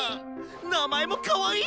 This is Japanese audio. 名前もかわいい！